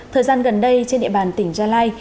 thời gian gần đây trên địa bàn tỉnh gia lai